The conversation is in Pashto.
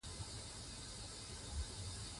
جلګه د افغانستان په طبیعت کې مهم رول لري.